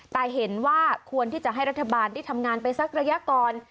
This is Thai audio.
แต่เห็นว่าควรที่จะให้รัฐบาลได้ทำงานไปสักระยะก่อน